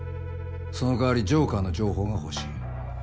その代わりジョーカーの情報が欲しい。